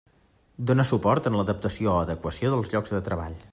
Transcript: Dóna suport en l'adaptació o adequació de llocs de treball.